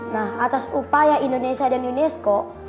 nah atas upaya indonesia dan unesco